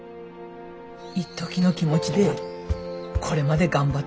いっときの気持ちでこれまで頑張ってきた